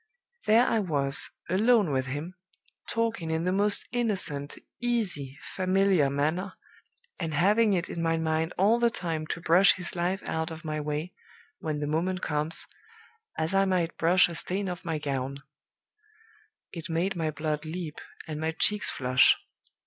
There I was, alone with him, talking in the most innocent, easy, familiar manner, and having it in my mind all the time to brush his life out of my way, when the moment comes, as I might brush a stain off my gown. It made my blood leap, and my cheeks flush.